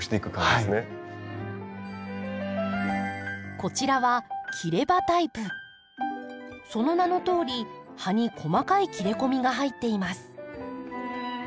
こちらはその名のとおり葉に細かい切れ込みが入っています。